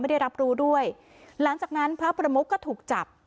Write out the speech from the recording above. ได้รับรู้ด้วยหลังจากนั้นพระประมุกก็ถูกจับ